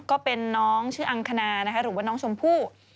ก็เป็นน้องชื่ออังคณานะคะหรือว่าน้องชมพู่